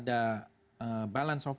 dan kekuatan yang lebih kuat